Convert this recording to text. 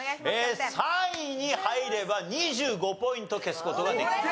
３位に入れば２５ポイント消す事ができます。